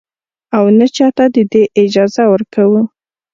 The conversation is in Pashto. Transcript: او نـه چـاتـه د دې اجـازه ورکـو.